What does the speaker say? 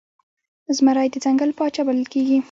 زمری د ځنګل پاچا بلل کېږي.